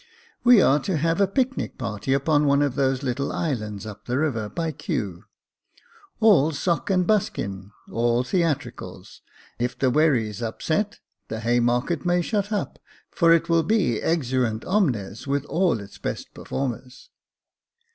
We are to have a picnic party upon one of those little islands up the river by Kew. All sock and buskin, all theatricals : if the wherries upset, the Haymarket may shut up, for it will be * exeunt omnes ' with all its best performers.